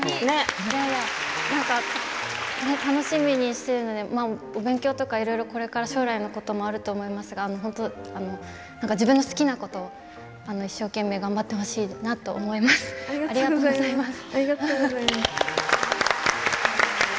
楽しみにしているのでお勉強とか、いろいろこれから将来のこともあると思いますが自分の好きなことを一生懸命、頑張ってほしいなとありがとうございます。